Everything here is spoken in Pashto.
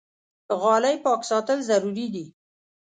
غالۍ پاک ساتل ضروري دي.